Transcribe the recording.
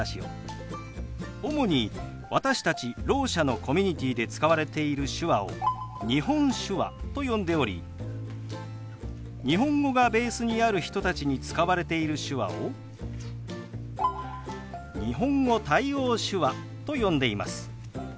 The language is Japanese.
主に私たちろう者のコミュニティーで使われている手話を日本手話と呼んでおり日本語がベースにある人たちに使われている手話を日本語対応手話と呼んでいます。